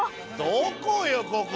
どこよここ！